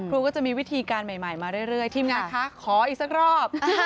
ก็จะมีวิธีการใหม่มาเรื่อยทีมงานคะขออีกสักรอบ